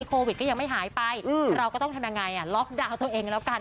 โควิดก็ยังไม่หายไปเราก็ต้องทำยังไงล็อกดาวน์ตัวเองกันแล้วกัน